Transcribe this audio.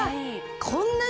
こんなに。